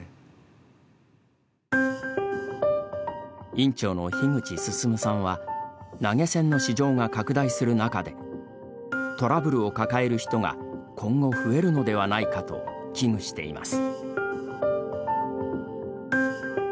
院長の樋口進さんは投げ銭の市場が拡大する中でトラブルを抱える人が今後、増えるのではないかと危惧しています。